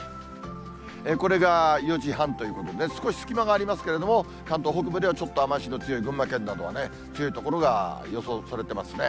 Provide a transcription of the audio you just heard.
これが４時半ということで、少し隙間がありますけれども、関東北部ではちょっと雨足の強い群馬県などはね、強い所が予想されてますね。